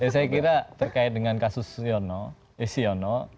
saya kira terkait dengan kasus siono